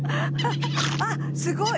あっすごい！